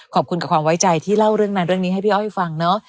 ขอบคุณกับความไว้ใจที่เล่าเรื่องนั้นเรื่องนี้ให้พี่อ้อยฟังเนอะ